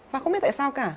và không biết tại sao cả